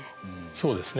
そうですね。